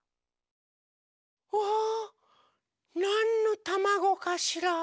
うわなんのたまごかしら？